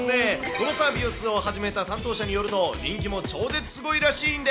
このサービスを始めた担当者によると、人気も超絶すごいらしいんです。